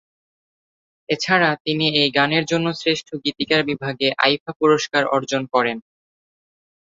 এছাড়া তিনি এই গানের জন্য শ্রেষ্ঠ গীতিকার বিভাগে আইফা পুরস্কার অর্জন করেন।